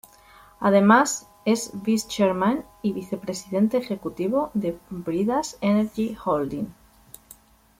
Además, es Vice Chairman y Vicepresidente Ejecutivo de Bridas Energy Holding.